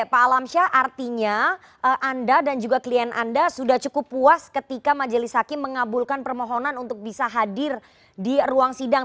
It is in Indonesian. pak alamsyah artinya anda dan juga klien anda sudah cukup puas ketika majelis hakim mengabulkan permohonan untuk bisa hadir di ruang sidang